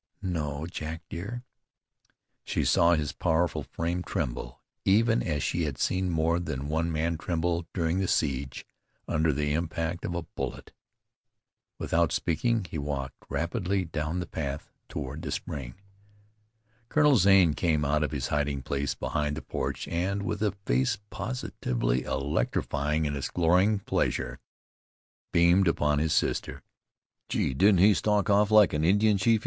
"No, Jack dear." She saw his powerful frame tremble, even as she had seen more than one man tremble, during the siege, under the impact of a bullet. Without speaking, he walked rapidly down the path toward the spring. Colonel Zane came out of his hiding place behind the porch and, with a face positively electrifying in its glowing pleasure, beamed upon his sister. "Gee! Didn't he stalk off like an Indian chief!"